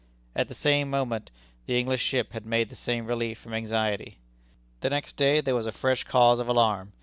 At the same moment the English ship had the same relief from anxiety. The next day there was a fresh cause of alarm.